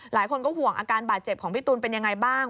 หลายคนก็ห่วงอาการบาดเจ็บของพี่ตูนเป็นยังไงบ้าง